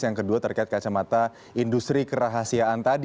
yang kedua terkait kacamata industri kerahasiaan tadi